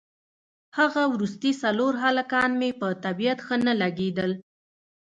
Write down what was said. هغه وروستي څلور هلکان مې په طبیعت ښه نه لګېدل.